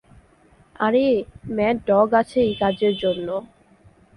আরে, mad dog আছে এই কাজের জন্য!